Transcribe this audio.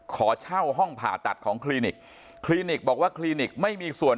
ขอเช่าห้องผ่าตัดของคลินิกคลินิกบอกว่าคลินิกไม่มีส่วน